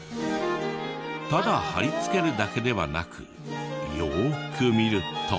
ただ貼り付けるだけではなくよーく見ると。